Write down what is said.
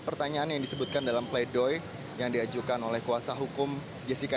pertanyaan yang disebutkan dalam pleidoy yang diajukan oleh kuasa hukum jessica